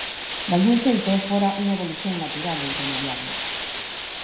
Dalgún xeito, fora unha evolución natural e irremediable.